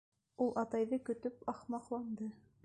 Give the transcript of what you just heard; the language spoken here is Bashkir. Ул, атайҙы көтөп, ахмаҡланды.